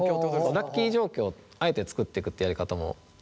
ラッキー状況をあえて作ってくっていうやり方もあって